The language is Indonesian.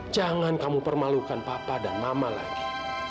jangan kamu permalukan papa dan mama lagi